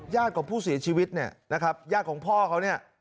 ญาติของผู้เสียชีวิตนะครับญาติของพ่อเขา